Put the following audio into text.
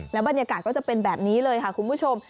บรรยากาศก็จะเป็นแบบนี้เลยค่ะคุณผู้ชม